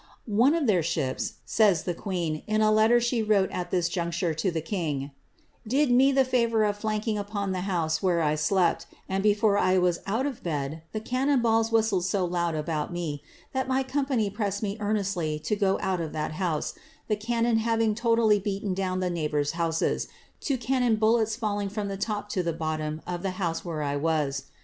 ^One of their ships," says the queen, in a letter* she wrote at this juctnre to the king, ^ did me the favour of flanking upon the house iriicre I slept ; and before I was out of bed, the cannon balls whistled lo loud about me, that my company pressed me earnestly to go out of iiat house, the cannon having totally beaten down the neighbours' louses, two cannon bullets falling from the top to the bottom of the iouse where I was.